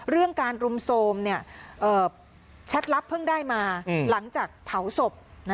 เรื่องการรุมโทรมแชทลับเพิ่งได้มาหลังจากเผาศพ